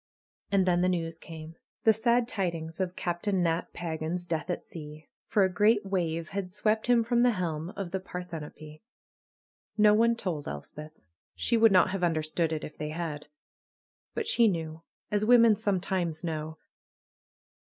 And then the news came. The sad tidings of Cap tain Nat Pagan's death at sea, for a great wave had SAvept him from the helm of the Parthenope. No one told Elspeth. She would not have understood it if they had. But she knew, as Avomen sometimes know.